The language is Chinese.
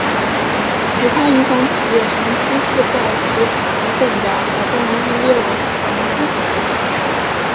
其他影响企业长期负债及股本的活动亦列为融资活动。